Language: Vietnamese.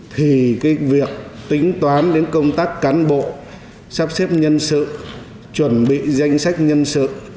thì cái việc tính toán đến công tác cán bộ sắp xếp nhân sự chuẩn bị danh sách nhân sự